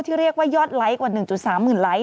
ที่เรียกว่ายอดไลก์กว่า๑๓หมื่นไลก์